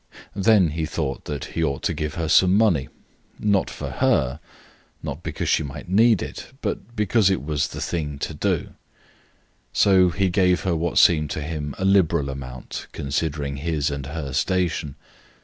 Then he thought that he ought to give her some money, not for her, not because she might need it, but because it was the thing to do. So he gave her what seemed to him a liberal amount, considering his and her station.